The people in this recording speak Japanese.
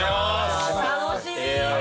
楽しみ。